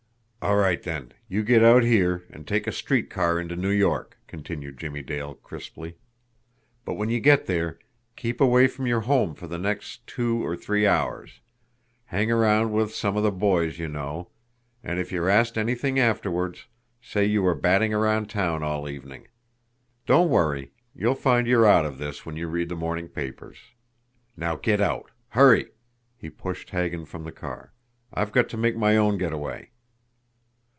"All right, then. You get out here, and take a street car into New York," continued Jimmie Dale crisply. "But when you get there, keep away from your home for the next two or three hours. Hang around with some of the boys you know, and if you're asked anything afterward, say you were batting around town all evening. Don't worry you'll find you're out of this when you read the morning papers. Now get out hurry!" He pushed Hagan from the car. "I've got to make my own get away."